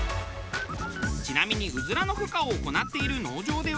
ちなみにうずらのふ化を行っている農場では。